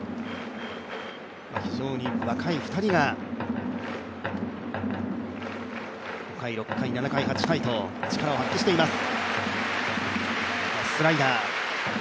非常に若い２人が５回、６回、７回、８回と力を発揮しています。